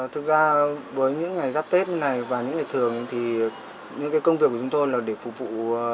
thực ra với những ngày giáp tết như này và những ngày thường thì những cái công việc của chúng tôi là để phục vụ